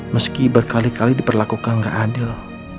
meski berkali kali diperlakukan gak adil